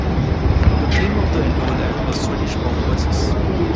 The theme of the interval act was "Swedish Pop Voices".